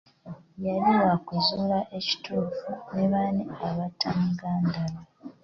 Yali wakuzuula ekituufu ne baani abatta muganda we.